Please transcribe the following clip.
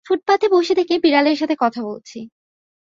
ফুটপাতে বসে থেকে, বিড়ালের সাথে কথা বলছি।